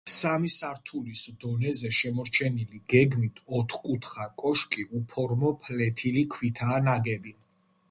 სამი სართულის დონეზე შემორჩენილი გეგმით ოთხკუთხა კოშკი უფორმო ფლეთილი ქვითაა ნაგები.